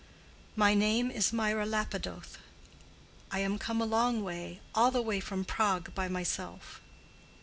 "My name is Mirah Lapidoth. I am come a long way, all the way from Prague by myself.